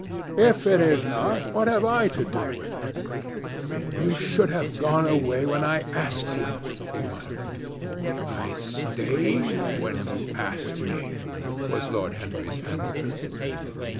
"If it is not, what have I to do with it?" "You should have gone away when I asked you," he muttered. "I stayed when you asked me," was Lord Henry's answer.